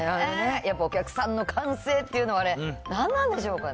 やっぱお客さんの歓声っていうのはね、何なんでしょうかね。